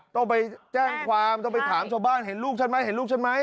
ต้องไปแจ้งความต้องไปถามชัวร์บ้านเห็นลูกฉันไหม